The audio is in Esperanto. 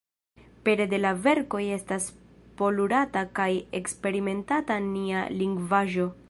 Pere de la verkoj estas polurata kaj eksperimentata nia lingvaĵo.